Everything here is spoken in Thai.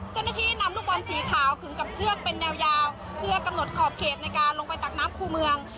เจ้าหน้าที่นำลูกบอลสีขาวขึงกับเชือกเป็นแนวยาวเพื่อกำหนดขอบเขตในการลงไปตักน้ำคู่เมือง